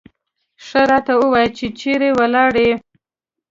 ښه راته ووایه چې چېرې ولاړې.